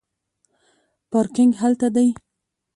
پارکینګ هلته دی